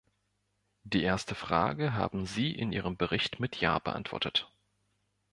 Die erste Frage haben Sie in Ihrem Bericht mit "ja" beantwortet.